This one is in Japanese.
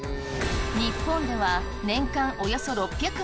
日本では年間およそ６００万ｔ。